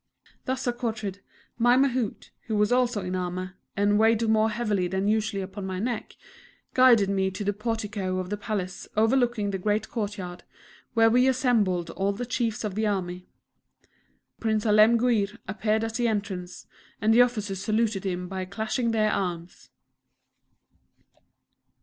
Thus accoutred, my Mahout, who was also in armour, and weighed more heavily than usual upon my neck, guided me to the portico of the Palace overlooking the great Courtyard, where were assembled all the chiefs of the army. Prince Alemguir appeared at the entrance, and the officers saluted him by clashing their arms.